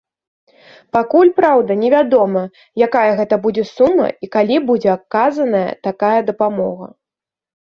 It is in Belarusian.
Пакуль, праўда, невядома, якая гэта будзе сума і калі будзе аказаная такая дапамога.